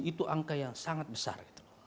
itu angka yang sangat besar